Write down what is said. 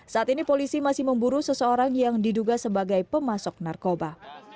saat ini polisi masih memburu seseorang yang diduga sebagai pemasok narkoba